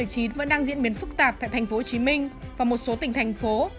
trong diễn biến phức tạp tại tp hcm và một số tỉnh thành phố